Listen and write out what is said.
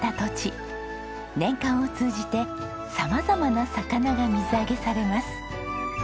年間を通じて様々な魚が水揚げされます。